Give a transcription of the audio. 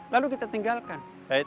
lalu kita tinggalkan